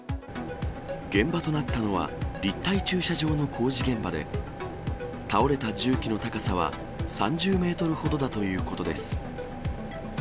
現場となったのは、立体駐車場の工事現場で、倒れた重機の高さは３０メートルほどだということです。